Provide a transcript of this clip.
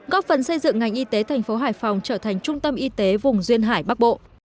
góp phần xây dựng ngành y tế thành phố hải phòng trở thành trung tâm y tế vùng duyên hải bắc bộ